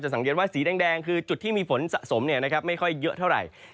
สังเกตว่าสีแดงคือจุดที่มีฝนสะสมไม่ค่อยเยอะเท่าไหร่